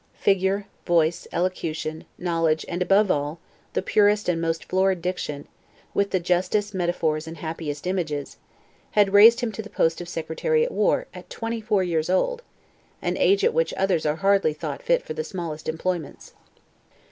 Figure, voice, elocution, knowledge, and, above all, the purest and most florid diction, with the justest metaphors and happiest images, had raised him to the post of Secretary at War, at four and twenty years old, an age at which others are hardly thought fit for the smallest employments.